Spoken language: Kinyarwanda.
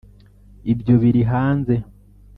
ibyo biri hanze